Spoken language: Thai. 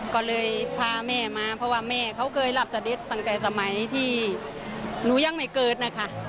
ก็เลยพาแม่มาเพราะว่าแม่เขาเคยรับเสด็จตั้งแต่สมัยที่หนูยังไม่เกิดนะคะ